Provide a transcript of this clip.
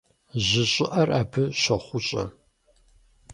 Жьы щӀыӀэр абы щохъущӀэ.